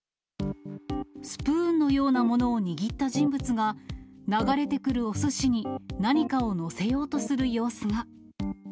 スプーンのようなものを握った人物が、流れてくるおすしに何かを載せようとする様子が。